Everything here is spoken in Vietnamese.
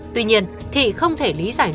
tuy nhiên thị không thể lý giải quyết